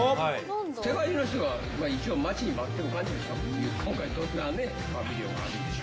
世界中の人が、待ちに待ってる感じでしょ。